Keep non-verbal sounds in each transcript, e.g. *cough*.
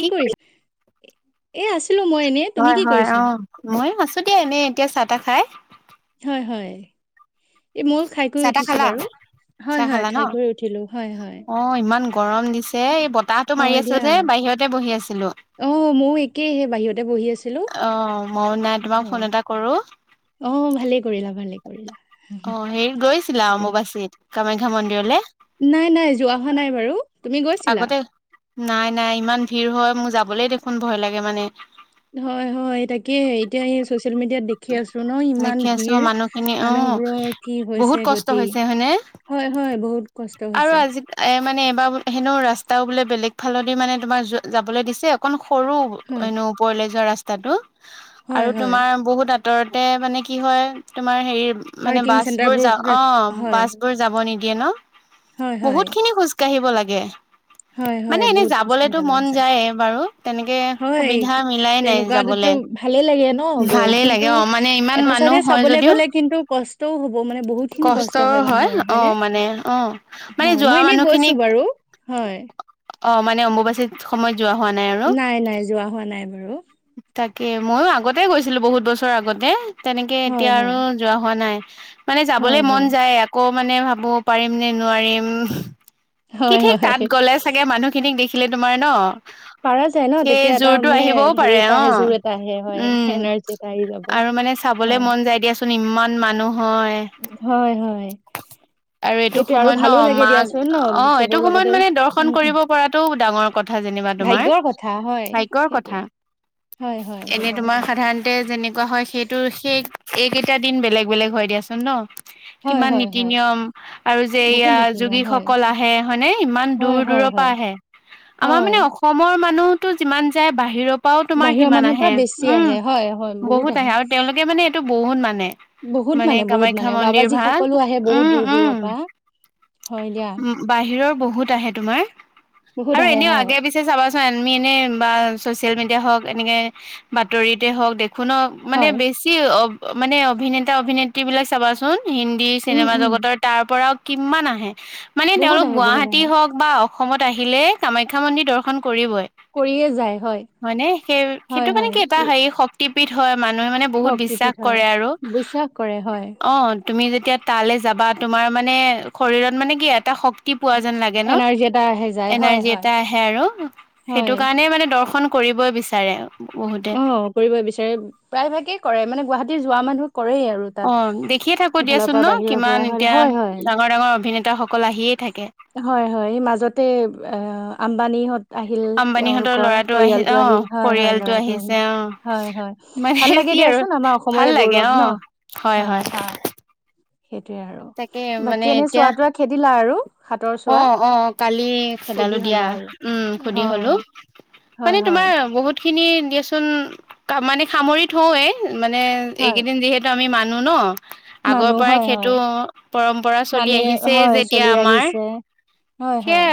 কি কৰি এ আছিলো মই এনে, তুমি হয় কি হয় কৰিছা? আহ মই আছো দি এনে এতিয়া চাহ তাহ খাই হয় হয় এ ময় খাই কৰি চাহ তাহ উঠিছো খালা বাৰু হয় চাহ হয় খালা ন খাই কৰি উঠিলো হয় হয় অ ইমান গৰম দিছে এই বতাহটো মাৰি হয় আছিলো দিয়া, যে বাহিৰতে বহি আছিলো অ ময়ো একেই সেই বাহিৰতে বহি আছিলো অ মইও নাই তোমাক ফোন এটা কৰো অ ভালে কৰিলা ভালে অ হেৰিত গৈছিলা অম্বুবাচীত কামাখ্যা মন্দিৰলে নাই নাই যোৱা হোৱা নাই বাৰু তুমি গৈছিলা আগতে নাই নাই ইমান ভিৰ হয় মোক যাবলৈ দেখোন ভয় লাগে মানে হয়-হয়, তাকে এতিয়া এই চচিয়েল মিডিয়াত দেখি আছো ন, ইমান দেখি আছো ভিৰ মানুহখিনি অ মানুহবোৰৰ কি বহুত হৈছে কষ্ট গতি হৈছে হয়নে হয়-হয়, বহুত কষ্ট আৰু হৈছে। টাও বোলে বেলেগ ফালেদি মানে তোমাৰ যাবলৈ দিছে অকন সৰু হয় এনো ওপৰলৈ যোৱা ৰাস্তা *unintelligible* হয় আৰু, হয়, তোমাৰ বহুত আঁতৰতে মানে কি হয়, তোমাৰ হেৰি মানে পাৰ্কিং বাছ বোৰ চেণ্টাৰবোৰ যা, ৰাখ- অ', হয় বাছ বোৰ যাব নিদিয়ে ন, হয় বহুত হয়। খিনি খোজঢ় কাঢ়িব লাগে, হয় মানে হয় এনেই বহুত খোজ কাঢ়িব যাবলেতো লগা মন হৈছে যায় বাৰু। তেনেকে হয় সুবিধা মিলাই নাই তেনেকুৱাতো যাবলে, ভালে লাগে ন গৈ ভালেই লাগে কিন্তু অ মানে ইমান এটা মানুহ চাইডে হয় চাবলৈ যদিও, গ'লে কিন্তু কষ্টও হ'ব মানে বহুত খিনি কষ্ট হয়, মানুহৰ হয়নে অ' মানে অ', মানে হয় যোৱা মই এনেই মানুহ গৈছো খিনিক, বাৰু হয় অ', মানে অম্বুবাচিত সময়ত যোৱা হোৱা আৰু নাই নাই যোৱা হোৱা নাই বাৰু। তাকে ময়ো আগতে গৈছিলো বহুত বছৰ আগতে, তেনেকে হয় এতিয়া আৰু হয় যোৱা হোৱা নাই। মানে যাবলৈ হয় মন হয় যায় আকৌ মানে ভাবো পাৰিম নে নোৱাৰিম কি হয় ঠিক তাত হয় গ'লে চাগে মানুহখিনিক দেখিলে তোমাৰ ন পাৰা যায় ন, সেই তেতিয়া এটা জোৰটো মানে আহিবও হেৰি পাৰে এটা অ আহে জোৰ এটা আহে হয়, উম এনাৰ্জি এটা আহি যাব, আৰু মানে চাবলে হয়। মন যায় দিয়াচোন ইমান মানুহ হয় হয় হয়। আৰু এইটো সেইটোৱে আৰু সময়ত ন, ভালো লাগে মা দিয়াচোন ন অ' এইটো চবৰ সময়ত লগতে মানে দৰ্শন উম উম কৰিব পৰাটো ডাঙৰ কথা। কথা যেনিবা তোমাৰ, ভাগ্যৰ কথা হয় ভাইকৰ সেইটোৱে কথা। হয়, হয়, এনেই ভাগ্যৰ তোমাৰ কথা। সাধাৰণতে যেনেকুৱা হয়, সেইটো সেই স কেইটা দিন বেলেগ বেলেগ হয় দিয়াচোন ন। হয়, কিমান হয়, নীতি হয়, নিয়ম আৰু যে বহুত ইয়া নীতি নিয়ম হয়। যোগীসকল আহে হয়নে, ইমান দূৰ হয়, দূৰ হয়, হয়, আহে, আমাৰ হয়, মানে অসমৰ মানুহতো যিমান যায় বাহিৰৰ পৰা কপাও তোমাৰ বাহিৰৰ সিমান মানুহৰ পৰা আহে, বেছি উম, আহে হয়, হয়, বহুত আহে, আৰু তেওঁলোকে মানে এইটো বহুত মানে। বহুত মানে বহুত কামাখ্যা মানে মন্দিৰ বাবাজী ভাগ, সকলো আহে বহুত উম দূৰ দূৰৰ উম। পৰা হয় দিয়া। উ' বাহিৰৰ বহুত আহে তোমাৰ, বহুত আৰু আহে এনেও হয়, আগে পিছে চাবাচোন আমি এনে বা চিয়েল মিডিয়া হওক, এনেকে বাতৰিতে হওক, দেখো ন, মানে হয়, বেছি মানে অভিনেতা অভিনেত্ৰী বিলাক চাবাচোন, হিন্দী উম, চিনেমা উম, জগতৰ, তাৰ পৰাও কিমান আহে। মানে বহুত তেওঁলোক আহে বহুত গুৱাহাটী আহে হওক বা অসমত আহিলে কামাখ্যা মন্দিৰ দৰ্শন কৰিয়ে যায় হয় হয় নে, সেই হয়, সেইটো মানে হয়, কি এটা হে শক্তিপীঠ হয় মানুহে মানে বহুত বিশ্বাস শক্তিপীঠ হয়, কৰে আৰু, বিশ্বাস কৰে হয়, অ' তুমি যেতিয়া তালৈ যাবা তোমাৰ মানে শৰীৰত মানে কি ই এটা শক্তি পোৱা যেন লাগে ন এনাৰ্জি এটা আহে যায় হয়, এনাৰ্জি হয়, এটা আহে আৰু, সেইটো হয়। কাৰণে মানে দৰ্শন কৰিবই বিচাৰে। বহুতে অ' কৰিব বিচাৰে, প্ৰায়ভাগেই কৰে, মানে গুৱাহাটী যোৱা মানুহ কৰেই আৰু তাত। অ' দেখিয়ে থাকো সেইফালৰ দিয়াচোন পৰা ন, বাহিৰৰ পৰা কিমান হয়, এতিয়া হয়, হয়, ডাঙৰ ডাঙৰ অভিনেতা সকল আহিয়ে থাকে। হয়-হয়, মাজতে এই আম্বানিহত আম্বানীহঁতৰ ল'ৰাটো আহি, আহিল অ' হয়, হয়, পৰিয়ালটো ল'ৰাটো আহিল আহিছে হয়, হয়। অ' ভাল মানে লাগে কি আৰু, দিয়াচোন আমাৰ অসমৰে ভাল লাগে গৌৰৱ ন অ', হয়-হয়-হয়। *inaudible* সেইটয়ে আৰু, বাকী এনে চোৱা তোৱা খেদিলা আৰু? হাতৰ চোৱা অ' অ, কালি সুধি খেলালো দিয়া, হ'লা আৰু উম সুধি হলো। অ', হয়, মানে হয়, তোমাৰ বহুত খিনি দিয়াচোন মানে সামৰি থৌএ, মানে হয়, এইকেইদিন যিহেতু আমি মান আানো ন, আগৰ মানুহ পৰাই হয়, হয়, সেইটো পৰম্পৰা চলি মানে আহিছেই হয়, যেতিয়া চলি আমাৰ। আহিছে হয় হয়।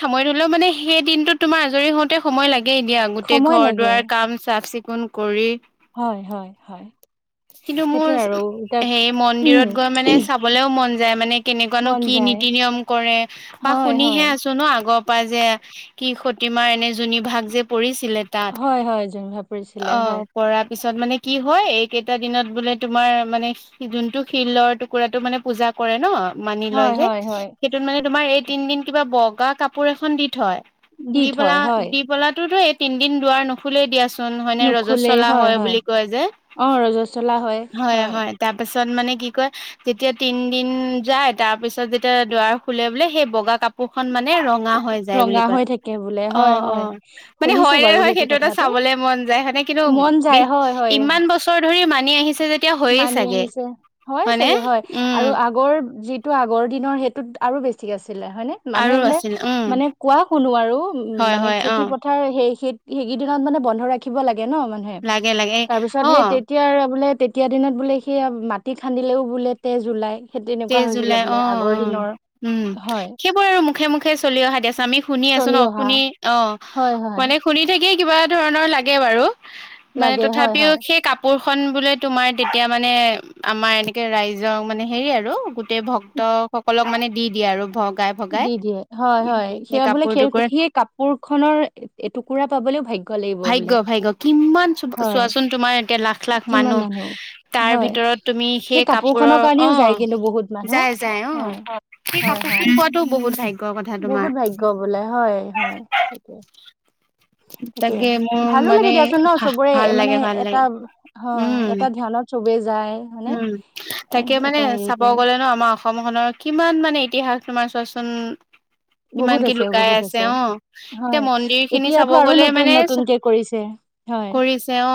খাময় ধলেও মানে সেই দিনটোো তোমাৰ আজৰি হওঁতে সময় লাগে এতিয়াা গোটেই সময় ঘৰ লাগে। দুৱাৰ কাম চাফ চিকুণ কোন কৰি হয়, হয়, হয়। কিন্তু সেইটোৱে মোৰচ আৰু এতিয়া হেই উম, মন্দিৰত গৈ মানে চাবলেও মন যায় মানে। কেনেকুৱানো মন কি যায়। নীতি নিয়ম কৰে, বা হয়, হয়। শুনিহে আছো ন আগ পাই যে কি সতীমাৰ এনে যুনি ভাগ যে পৰিছে। ছিলে তাত হয়, হয়, জুইন ভাঁপুৰি অ, চিলাই হয়। পৰা পিছত মানে কি হয় এই কেইটা দিনত বোলে তোমাৰ মানে যোনটো শিলৰ টুকুৰাটো মানে পূজা কৰে ন? মানি লয় হয়, যে, হয়, হয়। সেইটোত মানে তোমাৰ এই তিন দিন কিবা বগা কাপোৰ এখন দি থয়। দি পেলা থয় হয়। দি পেলাতো তো এই তিন দিন দুৱাৰ নুখুলেই দিয়াছো চোন হয়নে নুখুলেই ৰজস্বলা হয় বুলি কয় যে স্বলা হয়, হয়। ছত মানে কি কয় যেতিয়া তিন দিন যায়, তাৰ পিছত যেতিয়া দুৱাৰ খোলে বোলে সেই বগা কা কাপোখন মানে ৰঙা হৈ যায় বুলি ৰঙা কয়। হৈ থাকে বোলে অ, হয়, অ। হয়। মানে শুনিছো হয় নে বাৰু নহয় সেইটো এটা কথাটো। চাবলে মন যায় হয়নে। কিন্তু, মন যায় হয়, হয়। ইমান বছৰ ধৰি মানি আহি মানি আহিছে। হয় চাগে হয়, উম, আৰু আগৰ যি তো আগৰ দিনৰ হেটোত আৰু বেছি আছি ছিলে হয়নে? আৰু মানুহে বোলে, আছিল উম, মানে কোৱা শুনো আৰু উ-উ হয়, মানে হয়, খেতি অ', পথাৰ হেই সে সেইকেইদিনত মানে বন্ধ ৰাখিব লাগে ন মানুহে? লাগে, লাগে তাৰ পিছত সেই অ', তেতিয়াৰ বোলে তেতিয়া দিনত বোলে সেইয়া মাটি খান্দিলেও বোলে তেজ ওলাই। সেই তেনেকুৱা তেইছ হৈছিলে জুলাই বোলে অ, অ, আগৰ দিনৰ উম। হয় সেইবোৰ আৰু মুখে মুখে চলি অহা দেছোন আমি শুনি আছোঁ চলি ন? অহা আপুনি অ, হয় হয় মানে শুনি থাকিয়ে কিবা ধৰণৰ লাগে বাৰু, মানে লাগে হয় তথাপিও হয় সেই কাপোৰ খন বোলে তোমাৰ তেতিয়া মানে, আমাৰ এনেকে ৰাইজক মানে হেৰি আৰু *unintelligible* টে ভক্তসকলক মানে দি দিয়ে আৰু ভক্ত দি দিয়ে হয়, হয় সেয়া বোলে কাপোৰ খেৰ টুকুৰে সেই কাপোৰ খনৰ এটুকুৰা পাবলেও ভাগ্য লাগিব ভাগ্য, বোলে ভাগ্য কিমান চুব হয় চোৱাচোন তোমাৰ এতিয়া লাখ লাখ মানুহ তাৰ হয় ভিতৰত তুমি সেই কাপোৰ খনৰ কাপোৰৰ অ, কাৰণেও যায় কিন্তু বহুত মানুহ যাই, যাই অ। হয় হয় হয় *unintelligible* পোৱাতো ব বহুত ভাগ্যয বোলে হয়, হয়, সেইটোৱে। *inaudible* তাকে মোৰ ভালো মানে লাগে দিয়াচোন ন ভাহ চবৰে ভাল মানে লাগে, ভাল এটা লাগে। হয় উম। এটা ধ্যানত চবে যায় হয়নে উম এ তাকে মানে এটা চাব হেৰিতে গ'লে ন' আমাৰ অসম খনৰ কিমান মানে ইতিহাস তোমাৰ চোৱাচোন। ইমান বহুত কি আছে লুকাই বহুত আছে অ' এতিয়া হয় মন্দিৰ খিনি ব এতিয়াতো আৰু গ'লে নতুন মানে চা নতুনকে কৰিছে হয় *inaudible* কৰিছে অ।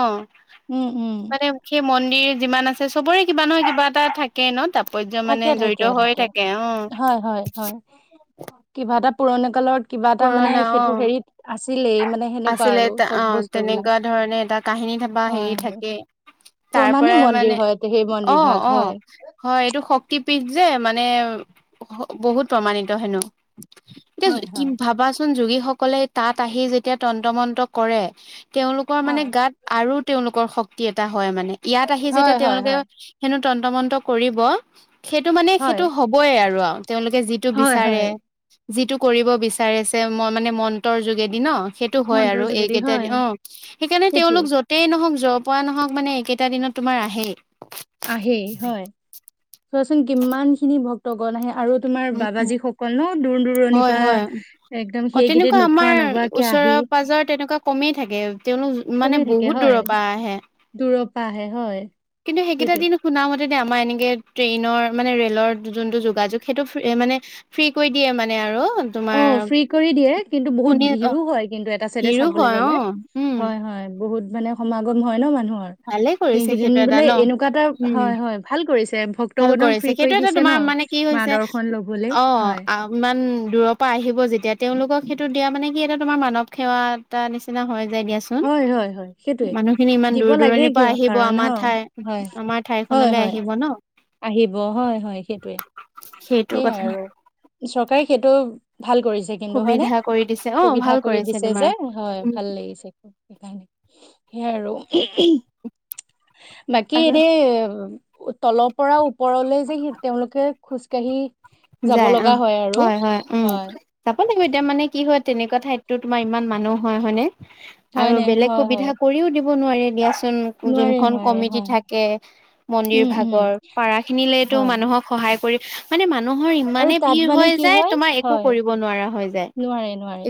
উম উম মানে সে মন্দিৰ যিমান আছে চবৰে কিবা নহয় কিবা এটা থাকে ন? তাপ পৰ্য মানে থাকে জড়িত থাকে হৈয়ে থাকে, অ। হয় পুৰণা কালত কিবা এটা মানে পুৰণা অ সেইটো হেৰিত আছিলেই, মানে সেনেকুৱা আছিলে আৰু চব বস্তু বিলাক। *unintelligible* হয় হেই হয়। থাকেই। তাৰ প্ৰমাণী পৰাই মন্দিৰ মানে, হয় সেই অ, মন্দিৰ ভাগ অ। হয়। হ এইটো শক্তি পীঠ যে মানে হ বহুত প্ৰমাণিত হেনো হয় *unintelligible* কি হয় ভাবাচোন যোগীসকলে তাত আহি যেতিয়া তন্ত মন্ত কৰে। তেওঁলোকৰ মানে হয়। গাত আৰু তেওঁলোকৰ শক্তি এটা হয় মানে, ইয়াত আহি যেতিয়া হয় হয় তেওঁলোকে হয় হেনো তন্ত মন্ত কৰিব সেইটো মানে হয় সেইটো হ'বই আৰু আউ তেওঁলোকে যিটো হয় বিচাৰে হয় যিটো কৰিব। বিচাৰিছে মই মানে মন্ত্ৰৰ যোগেদি ন? সেইটো হয় আৰু মন্ত্ৰৰ যোগেদি এইকেইটা হয় দিন অ, সেইকাৰণে সেইটোৱে। তেওঁলোক যতেই নহওঁক য' পৰা নহওঁক মানে এইকেইটা দিনত তোমাৰ আহেই আহেই হয়। চোৱাচোন কিমান খিনি ভক্তগণ আহে। আৰু তোমাৰ উম বাবাজী সকল ন? দূৰ দূৰণিৰ হয় পা, হয় একদম অ তেনেকুৱা সেইগিদিন নোখোৱা আমাৰ নোবোৱাকে আহি পাজৰ তেনেকুৱা কমেই থাকে তেওঁলোক মানে বহুত দূৰৰ পৰা আহে। তৰপ আহে হয়। কিন্তু সেইকেইটা সেইটোৱে। দিন শুনা মান যদি আমাৰ এনেকে ট্ৰেইনৰ মানে ৰেলৰ যোনটো যোগাযোগ সেইটো ফ মানে ফ্ৰী কৰি দিয়ে মানে আৰু। তোমাৰ অ', ফ্ৰী কৰি দিয়ে কিন্তু বহুত শুনি অ ভিৰো হয় কিন্তু এটা চাইডে ভিৰো চাবলৈ হয় অ গ'লে উম হয়', হয়। বহুত মানে সমাগম হয় ন মানুহৰ ভালে কৰিছে সেইকেইদিন সেইটো এটা বোলে ন এনেকুৱা এটা উম হয', হয় ভাল কৰিছে ভাল ভক্তগণক কৰিছে ফ্ৰী কৰি সেইটো এটা দিছে ন তোমাৰ মানে কি মা হৈছে দৰ্শন লবলে অ', হয় ইমান দূৰৰ পাই আহিব যেতিয়া তেওঁলোকক সেইটো দিয়া মানে কি এটা তোমাৰ মানৱ সেৱা এটা নিচিনা হয়। দিয়াচোন হয় হয় হয় সেইটোয়ে মানুহখিনি ইমান দিব দূৰ লাগে দূৰণিৰ পৰা কিয় আহিব কাৰণ হ আমাৰ ঠাই হয় আমাৰ ঠাই হয় লৈ হয় আহিব ন। আহিব হয় হয় সেইটোৱে সেইটো সেইয়াই কথা আৰু চৰকাৰে সেইটো ভাল কৰিছে কিন্তু হয়নে। সুবিধা কৰি দিছে অ সুবিধা ভাল কৰি কৰিছে দিছে যে তোমাৰ হয় উম ভাল লাগিছে সেইকাৰণে সেইয়াই আৰু। বাকী আৰু এনে তলৰ পৰা ওপৰলৈ যে সি তেওঁলোকে খোজকাঢ়ি যাব যাই অ', লগা হয় আৰু। হয', হয', উম হয়, যাব লাগিব এতিয়া মানে কি হয় তেনেকুৱা ঠাইতো তোমাৰ ইমান মানুহ হয় হয়নেে আৰু হয়নে? বেলেগ হয়, হয়। সুবিধা কৰিও দিব নোৱাৰে দিয়া নোৱাৰে যোনখন নোৱাৰে কমিটি হয়। থাকে মন্দিৰ উম, উম, ভাগৰ পাৰা খিনিলেতো হয়। মানুহক সহায় কৰি। মানে মানুহৰ আৰু ইমানে তাত ভিৰ মানে হয় কি যায় তোমাৰ একো হয়, কৰিব নোৱাৰা হয়। নোৱাৰে নোৱাৰে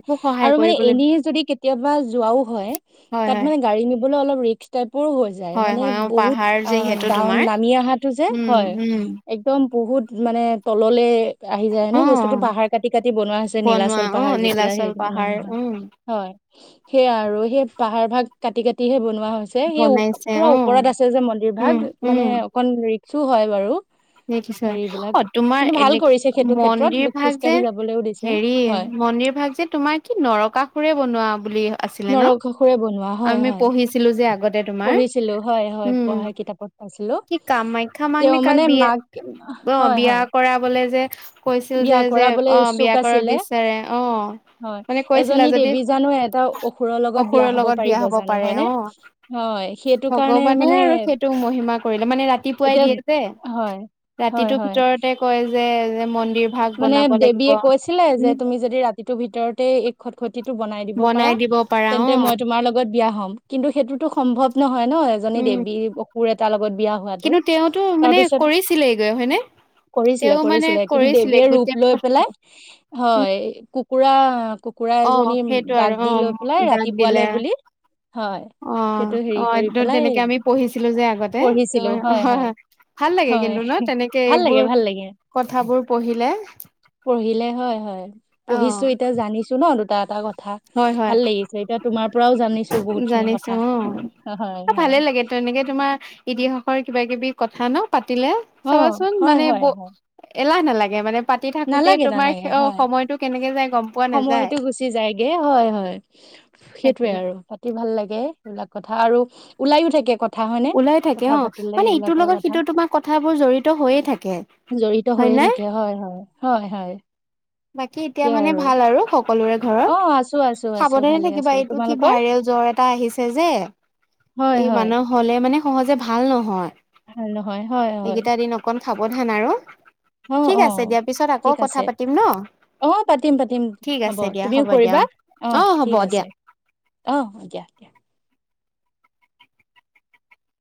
আৰু মানে এনেই যদি কেতিয়াবা যোৱাও হয় হয় তাত হয় মানে গাড়ী নিব অল ৰিস্ক ৰূপে পৰ হৈ যায় হয় মানে হয় অ বহুত পাহাৰ অ', যিহেতু ডউন তোমাৰ নামি অহাতেওঁ যে উম হয় উম একদম বহুত মানে তললে আহি যায় অ ন বস্তুতটো পাহাৰ কাটি কাটি বনোৱা হৈছে নীলা চ বনোৱা অ পাহাৰ যেতিয়া সেই নীলাচল পাহাৰ মানুহৰ উম হয়। সেয়া আৰু সেই পাহাৰ ভাগ কাটি কাটিহে বনোৱা ৱা হৈছে সেই বনাইছে পুৰা অ ওপৰত আছে যে মন্দিৰ ভাগ উম মানে উম অকন ৰিক্সো হয় বাৰু দেখিছো হেৰিবলাক অ তোমাৰ কিন্তু ভাল এনে কৰিছে সেইটো ক্ষেত্ৰত খোজ কাঢ়ি যাবলৈও দিছে। এ হয় মন্দিৰ ভাগ যে তোমাৰ কি নৰকাসুৰে বনোৱা বুলি আছিলে ন। নৰকাসুৰে বনোৱা হয় আমি হয় পঢ়িছিলো যে আগত তোমাৰ পঢ়িছিলো হয় হয় উম পঢ়াৰ কিতাপত পাইছিলো কি কামাখ্যা মাক তেওঁ নে কাক মানে বিয়ে মাক অ', হয় বিয়া হয় কৰা বলে যে। কৈছিল যে বিয়া যে কৰাবলৈ অ', ইচ্ছুক বিয়া কৰাৰ আছিলে বিচাৰে অ। হয় মানে কৈছিলা এজনী যদি দেৱী জানো এটা অসুৰৰ লগত বিয়া অসুৰৰ হব লগত বিয়া পাৰিব হব জানো পাৰে হয়নে অ। হয় সেইটো কাৰণে ভগৱানে আৰু মানে সেইটো মহিমা কৰিলে মানে ৰাতিপুৱাই এতিয়া দিয়ে যে। হয়, হয়, ৰাতিটোৰ হয়। ভিতৰতে কয় যে যে মন মানে দেৱীয়ে কৈছিলে যে তুমি যদি ৰাতিটোৰ ভিতৰতে এই খট খতিটো বনাই দিব পাৰা। দিব পাৰা অ তেন্তে মই তোমাৰ লগত বিয়া হম কিন্তু সেইটোতো সম্ভৱ নহয় ন এজনী উম দেৱী অকুৰ এাৰ লগত বিয়া হোৱা তেওঁ কিন্তু তেওঁতো তাৰ মানে পাছত কৰিছিলেগৈ হয়নে কৰিছিলে তেওঁ মানে কৰিছিলে কিন দে কৰিছিলে বি ৰূপ গোটেই লৈ পথটো পেলাই হয় কুকুৰা কুকুৰা অ এজনী সেইটো আৰু দাগ অ দি লৈ পেলাই দাগ দিলে ৰাতিপুৱালে বুলি। হয় অ সেইটো হেৰি অ কৰি এইটো পেলাই তেনেকে আমি পঢ়িছিলো যে আগতে পঢ়িছিলো হয়', হয়। ভাল লাগে কিন্তু ন হয় তেনেকে ভাল এইবোৰ লাগে ভাল লাগে। কথাবোৰ পঢ়িলে পঢ়িলে হয়', হয় অ পঢ়িছো এতিয়া জানিছো ন দুটা এটা ক হয় হয় ভাল লাগিছে এতিয়া তোমাৰ পৰাও জানিছো বহুত খিনি জানিছো কথা। অ হয় হয় ভালে লাগে এনেকে তোমাৰ ইতিহাসৰ কিবা কিবি কথা ন। পাতিলে অ চাবাচোন হয় মানে হয় ব হয় এলাহ নালাগে মানে পাতি থাকোতে নালাগে নালাগে তোমাৰ অ হয় সময়তটো কেনেকে যায় গম পোৱা নাযায়। সময়টো গুচি যায়গে হয়', হয়', তাকে সেইটয়ে আৰু পাতি ভাল লাগে সেইবিলাক কথা আৰু ওলাইো থাকে ক ওলাই থাকে। অ মানে ইটোৰ লগত কথা সিটো তোমাৰ কথাবোৰ জড়িত হৈয়ে থাকে। জড়িত হয় হৈয়ে নে থাকে। হয়, হয়, হয়, হয় বাকী এতিয়া মানে ভাল আৰু সকলোৰে অ ঘৰত, আছো আছো আছো সাৱধানে ভালে আছো থাকিবা। এইটো কি তোমালোকৰ ভাইৰেল জ্বৰ এটা আহিছে যে, হয় এই হয় মানুহ হলে, মানে সহজে ভাল নহয়। ভাল নহয়, হয়, হয় এইকেইটা দিন অকন সাৱধান আৰু, অ ঠিক অ আছে দিয়া পিছত আকৌ ঠিক কথা আছে। পাতিম ন অহ, পাতিম পাতিম ঠিক হ'ব। আছে দিয়া তুমিও দিয়া কৰিবা অ। হ'ব ঠিক দিয়া আছে। অহ দিয়া দিয়া।